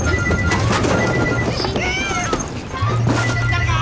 誰か！